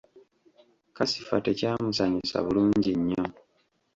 Kasifa tekyamusanyusa bulungi nnyo.